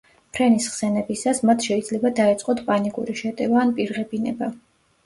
ფრენის ხსენებისას მათ შეიძლება დაეწყოთ პანიკური შეტევა ან პირღებინება.